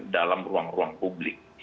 dalam ruang ruang publik